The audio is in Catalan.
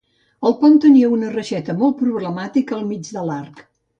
El pont tenia una reixeta molt problemàtica al mig de l'arc.